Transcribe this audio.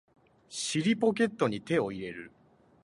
尻ポケットに手を入れる